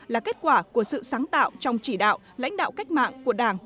là kết quả của sự sáng tạo trong chỉ đạo lãnh đạo cách mạng của đảng